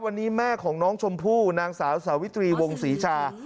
วันนี้แม่ของน้องชมพู่นางสาวสาวิตรีวงศรีชา